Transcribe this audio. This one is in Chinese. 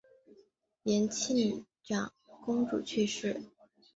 延庆长公主去世。